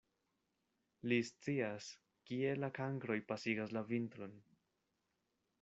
Li scias, kie la kankroj pasigas la vintron.